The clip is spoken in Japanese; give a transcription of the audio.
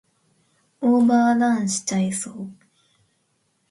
オーバーランしちゃいそう